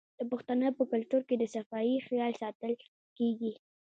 د پښتنو په کلتور کې د صفايي خیال ساتل کیږي.